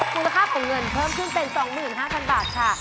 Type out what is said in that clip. คุณภาพของเงินเพิ่มขึ้นเป็น๒๕๐๐บาทค่ะ